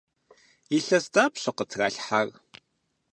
Илъэс дапщэ къытралъхьар?